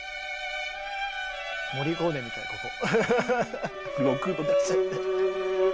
モリコーネみたいここ。